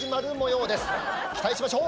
期待しましょう。